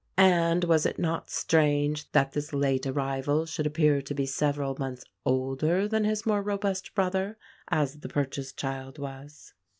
And was it not strange that this late arrival should appear to be several months older than his more robust brother, as the purchased child was?